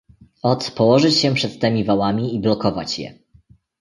"Ot, położyć się przed temi wałami i blokować je."